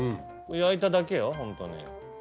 焼いただけよホントに。